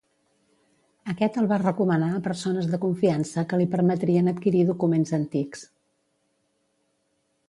Aquest el va recomanar a persones de confiança que li permetrien adquirir documents antics.